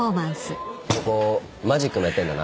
ここマジックもやってんだな。